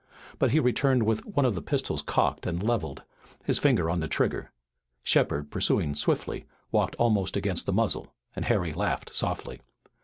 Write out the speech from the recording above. But he returned with one of the pistols cocked and levelled, his finger on the trigger. Shepard, pursuing swiftly, walked almost against the muzzle, and Harry laughed softly.